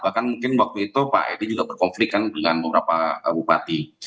bahkan mungkin waktu itu pak edi juga berkonflik kan dengan beberapa bupati